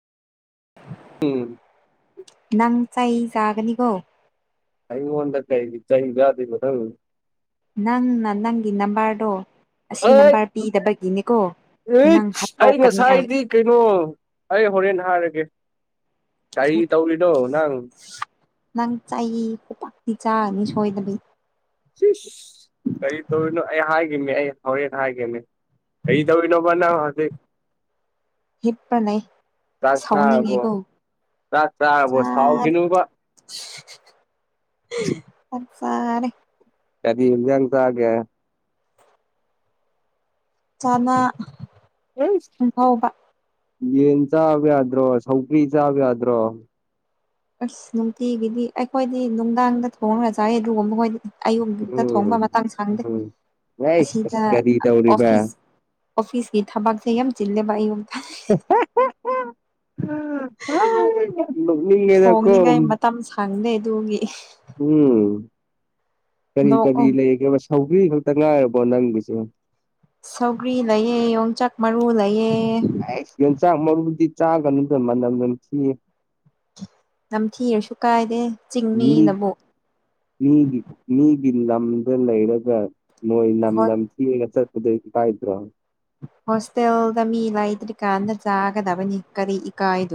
ꯎꯝ ꯅꯪ ꯆꯩ ꯆꯥꯒꯅꯤꯀꯣ ꯑꯩꯉꯣꯟꯗ ꯀꯩꯒꯤ ꯆꯩ ꯆꯥꯗꯨꯏꯕ ꯅꯪ ꯅꯪꯅ ꯅꯪꯒꯤ ꯅꯝꯕꯔꯗꯣ ꯑꯁꯤ ꯑꯩ ꯅꯝꯕꯔ ꯄꯤꯗꯕꯒꯤꯅꯤꯀꯣ ꯅꯪ ꯏꯁ ꯑꯩ ꯍꯥꯠꯇꯣꯛꯀꯅꯤ ꯑꯩ ꯉꯁꯥꯏꯗꯤ ꯀꯩꯅꯣ ꯑꯩ ꯍꯣꯔꯦꯟ ꯍꯥꯏꯔꯒꯦ ꯀꯔꯤ ꯇꯧꯔꯤꯅꯣ ꯅꯪ [unintelligible] ꯆꯥꯅꯤ ꯁꯣꯏꯗꯕꯤ ꯀꯔꯤꯇꯧꯔꯤꯅꯣ ꯑꯩ ꯍꯣꯔꯦꯟ ꯍꯥꯏꯒꯦꯅꯦ ꯀꯔꯤ ꯇꯧꯔꯤꯅꯣꯕ ꯅꯪ ꯍꯧꯖꯤꯛ ꯍꯤꯞꯄ ꯂꯩ ꯆꯥꯛ ꯆꯥꯔꯕꯣ ꯁꯥꯎꯅꯤꯡꯉꯦꯀꯣ ꯆꯥꯛ ꯆꯥꯔꯕꯣ ꯁꯥꯎꯈꯤꯅꯨꯕ ꯆꯥꯛ ꯆꯔꯦ ꯀꯔꯤ ꯑꯦꯟꯖꯥꯡ ꯆꯥꯒꯦ ꯆꯅꯥ ꯏꯁ ꯉꯧꯕ ꯌꯦꯟ ꯆꯥꯕ ꯌꯥꯗ꯭ꯔꯣ ꯁꯧꯒ꯭ꯔꯤ ꯆꯥꯕ ꯌꯥꯗ꯭ꯔꯣ ꯑꯁ ꯅꯨꯡꯇꯤꯒꯤꯗꯤ ꯑꯩꯈꯣꯏꯗꯤ ꯅꯨꯡꯗꯥꯡꯗ ꯊꯣꯡꯉꯒ ꯆꯥꯏꯌꯦ ꯑꯗꯨꯒꯨꯝꯕꯗꯨꯗꯤ ꯑꯌꯨꯛꯛꯇ ꯎꯝ ꯊꯣꯡꯕ ꯃꯇꯝ ꯁꯡꯗꯦ ꯎꯝ ꯑꯩꯁ ꯑꯁꯤꯗ ꯀꯔꯤ ꯇꯧꯔꯤꯕ ꯑꯣꯐꯤꯁ ꯑꯣꯐꯤꯁꯀꯤ ꯊꯕꯛꯁꯦ ꯌꯥꯝ ꯆꯤꯜꯂꯦꯕ ꯑꯌꯨꯛꯁꯤꯗꯤ ꯅꯣꯛꯅꯤꯡꯉꯦꯗꯀꯣ ꯊꯣꯡꯅꯤꯡꯉꯥꯏ ꯃꯇꯝ ꯁꯪꯗꯦ ꯑꯗꯨꯒꯤꯅꯦ ꯎꯝ ꯀꯔꯤ ꯀꯔꯤ ꯅꯣꯛꯑꯣ ꯂꯩꯒꯦ ꯁꯧꯒ꯭ꯔꯤ ꯈꯛꯇ ꯉꯥꯏꯔꯕꯣ ꯅꯪꯒꯤꯁꯦ ꯁꯧꯒ꯭ꯔꯤ ꯂꯩ, ꯌꯣꯡꯆꯥꯛ ꯃꯔꯨꯁꯨ ꯂꯩ꯫ ꯌꯣꯡꯆꯥꯛ ꯃꯔꯨꯗꯤ ꯆꯥꯒꯅꯨꯗ ꯃꯅꯝ ꯅꯝꯊꯤꯌꯦ꯫ ꯅꯝꯊꯤꯔꯁꯨꯨ ꯀꯥꯏꯗꯦ ꯃꯤ ꯆꯤꯡꯃꯤꯅꯕꯨ ꯃꯤꯒꯤ ꯃꯤꯒꯤ ꯂꯝꯗ ꯂꯩꯔꯒ ꯅꯣꯏ ꯅꯝꯊꯤꯔꯒ ꯆꯠꯄꯗꯣ ꯏꯀꯥꯏꯗ꯭ꯔꯣ ꯍꯣꯁꯇꯦꯜꯗ ꯃꯤ ꯂꯩꯇ꯭ꯔꯤ ꯀꯥꯟꯗ ꯆꯥꯒꯗꯕꯅꯤ ꯀꯔꯤꯒꯤ ꯏꯀꯥꯏꯗꯣꯏꯅꯣ